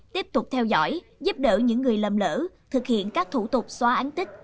tiếp tục theo dõi giúp đỡ những người lầm lỡ thực hiện các thủ tục xóa án tích